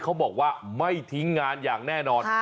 เขาบอกว่าไม่ทิ้งงานอย่างแน่นอน